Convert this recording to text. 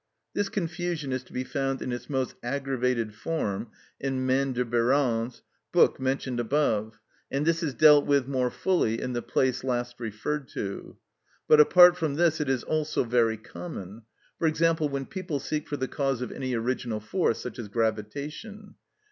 This confusion is to be found in its most aggravated form in Maine de Biran's book mentioned above, and this is dealt with more fully in the place last referred to; but apart from this it is also very common; for example, when people seek for the cause of any original force, such as gravitation.